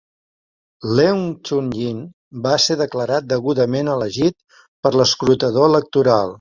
Leung Chun-Ying va ser declarat degudament elegit per l'escrutador electoral.